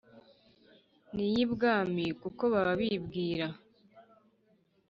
n’iy’ibwami, kuko baba bibwira